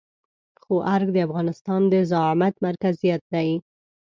خو ارګ د افغانستان د زعامت مرکزيت دی.